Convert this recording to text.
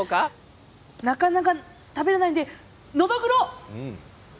なかなか食べられないのでノドグロ！